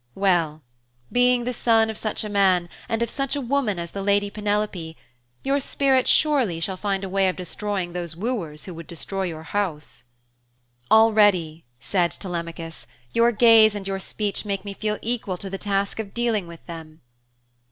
Well, being the son of such a man, and of such a woman as the lady Penelope, your spirit surely shall find a way of destroying those wooers who would destroy your house.' 'Already,' said Telemachus, 'your gaze and your speech make me feel equal to the task of dealing with them.'